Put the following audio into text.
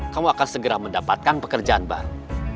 kamu akan segera mendapatkan pekerjaan baru